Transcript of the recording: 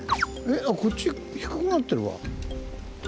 あっこっち低くなってるわ。